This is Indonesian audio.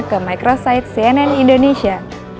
kemikrosite cnn indonesia